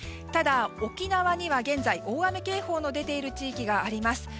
ただ、沖縄には現在、大雨警報の出ている地域があります。